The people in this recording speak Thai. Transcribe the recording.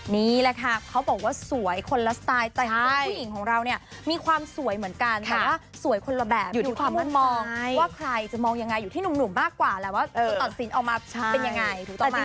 นี่แหละค่ะเขาบอกว่าสวยคนละสไตล์แต่คุณผู้หญิงของเราเนี่ยมีความสวยเหมือนกันแต่ว่าสวยคนละแบบอยู่ที่ความมั่นมองว่าใครจะมองยังไงอยู่ที่หนุ่มมากกว่าแหละว่าคุณตัดสินออกมาเป็นยังไงถูกต้อง